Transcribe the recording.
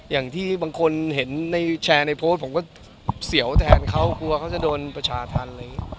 อย่างที่บางคนแชร์ในโพสต์ผมก็เสี่ยวแทนเขากลัวเขาจะโดนประชาธรรม